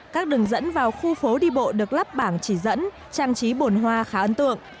các đường dẫn vào khu phố đi bộ được lắp bảng chỉ dẫn trang trí bồn hoa khá ấn tượng